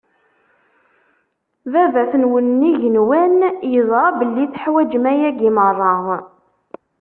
Baba-twen n igenwan yeẓra belli teḥwaǧem ayagi meṛṛa.